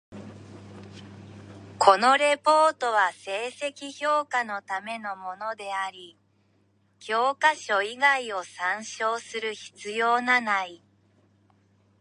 このレポートは成績評価のためのものであり、教科書以外を参照する必要なない。